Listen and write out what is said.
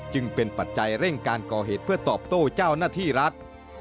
จึงเป็นปัจจัยเร่งการก่อเหตุเพื่อตอบโต้เจ้าหน้าที่รัฐ